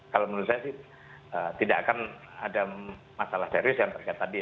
kalau menurut saya sih tidak akan ada masalah serius yang terkait tadi